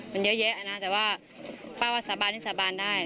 มันเยอะแยะนะแต่ว่าสาบานนี่สาบานได้